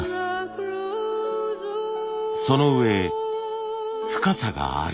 そのうえ深さがある。